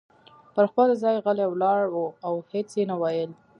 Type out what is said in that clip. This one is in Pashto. پر خپل ځای غلی ولاړ و او هیڅ یې نه ویل.